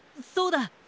そうだ！